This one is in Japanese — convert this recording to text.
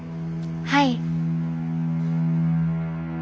はい。